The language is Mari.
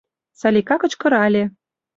— Салика кычкырале.